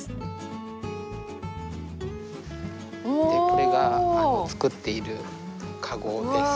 これが作っているカゴです。